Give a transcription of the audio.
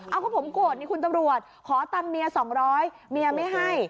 เอ้าคุณผมโกรธนี่คุณตำรวจขอตังค์เมียสองร้อยเมียไม่ให้